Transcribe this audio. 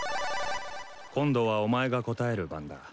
今度はお前が答える番だ。